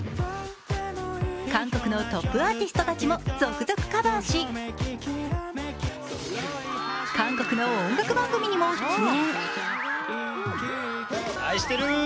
韓国のトップアーティストたちも続々カバーし、韓国の音楽番組にも出演。